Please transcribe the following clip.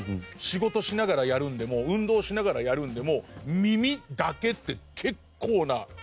仕事しながらやるんでも運動しながらやるんでも耳だけって結構な汎用性の高さ。